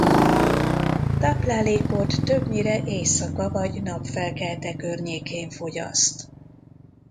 Táplálékot többnyire éjszaka vagy napfelkelte környékén fogyaszt.